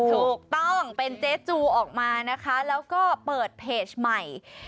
ถูกต้องเป็นเจ๊จูออกมานะคะแล้วก็เปิดเพจใหม่